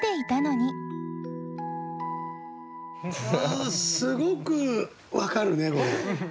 あすごく分かるねこれ。